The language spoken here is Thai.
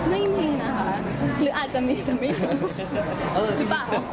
ไม่มีนะฮะหรืออาจจะมีแต่ไม่รู้